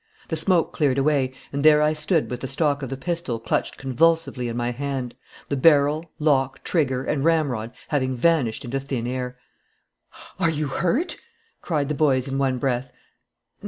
The smoke cleared away, and there I stood with the stock of the pistol clutched convulsively in my hand the barrel, lock, trigger, and ramrod having vanished into thin air. "Are you hurt?" cried the boys, in one breath.